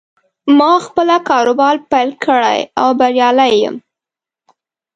ما خپله کاروبار پیل کړې او بریالی یم